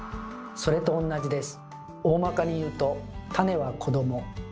それと同じです。